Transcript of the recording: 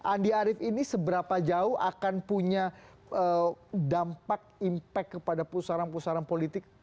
andi arief ini seberapa jauh akan punya dampak impact kepada pusaran pusaran politik